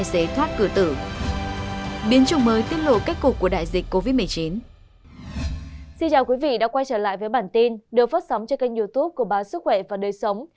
xin chào quý vị đã quay trở lại với bản tin được phát sóng trên kênh youtube của báo sức khỏe và đời sống